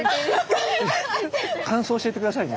感想教えて下さいね。